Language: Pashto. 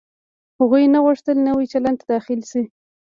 هغوی نه غوښتل نوي چلند ته داخل شي.